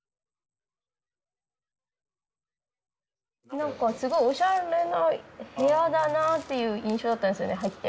何かすごいおしゃれな部屋だなっていう印象だったんですよね入って。